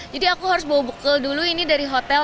jadi aku harus bawa bukel dulu ini dari hotel